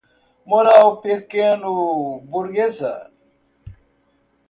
moral pequeno-burguesa